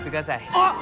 あっ！